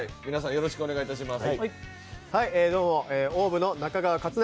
よろしくお願いします。